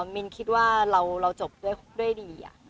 มินคิดว่าเราจบด้วยดี